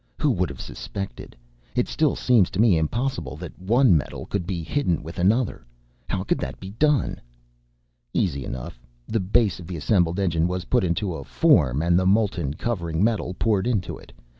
Who would have suspected! It still seems to me impossible that one metal could be hidden within another, how could that be done?" "Easy enough. The base of the assembled engine was put into a form and the molten covering metal poured into it.